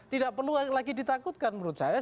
tidak perlu lagi ditakutkan menurut saya